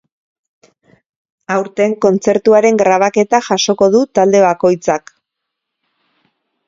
Aurten kontzertuaren grabaketa jasoko du talde bakoitzak.